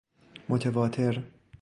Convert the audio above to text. متواتر